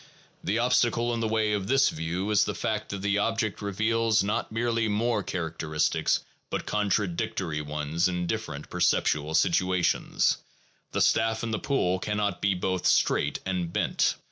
The obstacle in the way of this view is the fact that the object reveals not merely more characteristics but contradictory ones in different perceptual situations: the staff in the pool cannot be both straight and bent.